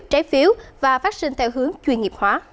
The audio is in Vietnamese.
trái phiếu và phát sinh theo hướng chuyên nghiệp hóa